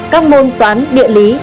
các môn toán địa lý